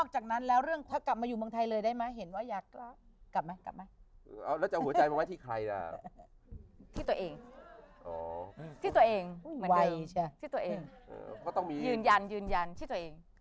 เหมือนเดิมชื่อตัวเองยืนยันชื่อตัวเอง